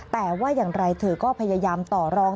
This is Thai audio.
แต่ว่าอย่างไรเธอก็พยายามต่อรอง